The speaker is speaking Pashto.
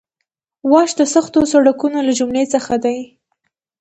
واش د سختو سړکونو له جملې څخه دی